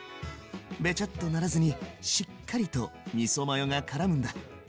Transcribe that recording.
ベチャッとならずにしっかりとみそマヨがからむんだ。